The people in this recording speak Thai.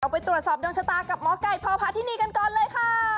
ไปตรวจสอบดวงชะตากับหมอไก่พพาธินีกันก่อนเลยค่ะ